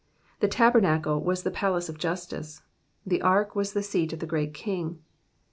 The tabernacle was the Palace of Justice ; the ark was the seat of the great King.